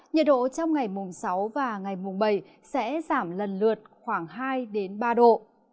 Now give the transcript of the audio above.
nhiệt độ trong ngày mùng sáu và ngày mùng bảy sẽ giảm lần lượt khoảng hai ba độ